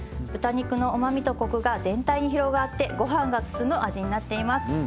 豚肉のうまみとコクが全体に広がってご飯が進む味になっています。